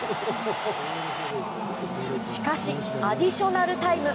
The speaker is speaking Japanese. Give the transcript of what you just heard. しかしアディショナルタイム。